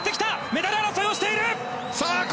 メダル争いをしている！